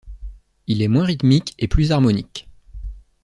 Il est moins rythmique et plus harmonique.